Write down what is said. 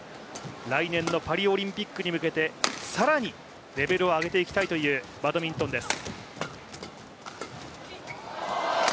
来年のパリオリンピックに向けて更にレベルを上げていきたいというバドミントンです。